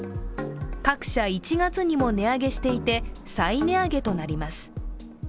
各社、１月にも値上げしていて再値上げとなります。